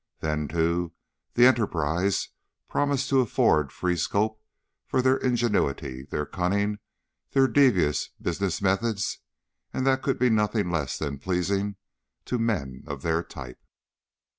Then, too, the enterprise promised to afford free scope for their ingenuity, their cunning, their devious business methods, and that could be nothing less than pleasing to men of their type.